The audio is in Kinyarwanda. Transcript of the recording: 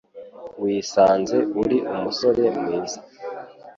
Wisanze uri umusore mwiza.